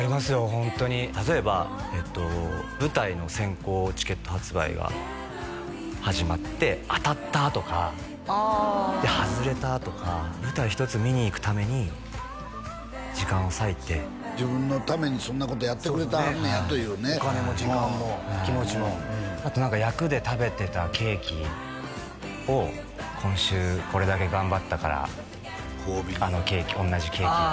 ホントに例えばえっと舞台の先行チケット発売が始まって「当たった」とかで「外れた」とか舞台一つ見に行くために時間を割いて自分のためにそんなことやってくれてはんねやというねお金も時間も気持ちもあと何か役で食べてたケーキを今週これだけ頑張ったからあのケーキ同じケーキあ